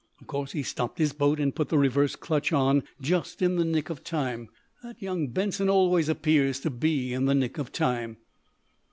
Of course he stopped his boat and put the reverse clutch on just in the nick of time. That young Benson always appears to be in the nick of time!"